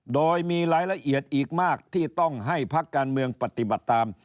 โดยมีรายละเอียดอีกมากที่ต้องให้พักการเมืองปฏิบัติตาม